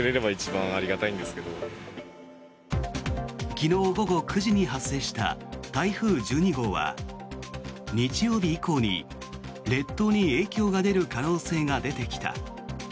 昨日午後９時に発生した台風１２号は日曜日以降に、列島に影響が出る可能性が出てきた。